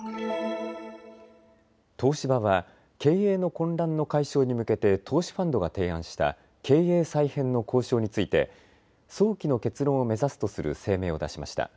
東芝は経営の混乱の解消に向けて投資ファンドが提案した経営再編の交渉について早期の結論を目指すとする声明を出しました。